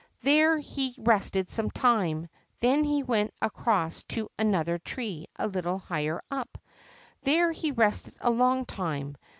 There he rested some time. Then he went across to another tree a little higher up. There he rested a long time.